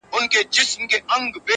دا هوښیار چي دی له نورو حیوانانو.